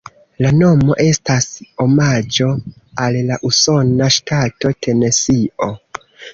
La nomo estas omaĝo al la usona ŝtato Tenesio.